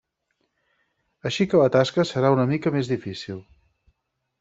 Així que la tasca serà una mica més difícil.